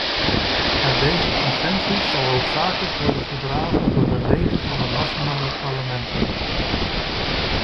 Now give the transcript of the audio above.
Maar deze conventie zal hoofdzakelijk worden gedragen door leden van de nationale parlementen.